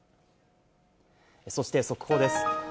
そして速報です。